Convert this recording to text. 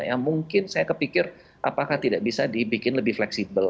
yang mungkin saya kepikir apakah tidak bisa dibikin lebih fleksibel